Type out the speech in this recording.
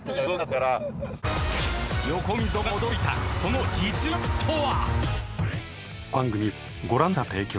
横溝が驚いたその実力とは？